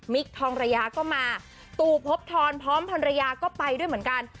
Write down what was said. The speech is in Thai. มิคทองระยาก็มาตูพบธรพรพรรยาก็ไปด้วยเหมือนกัน